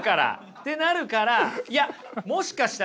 ってなるからいやもしかしたらね